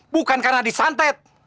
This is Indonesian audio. bukan karena di santet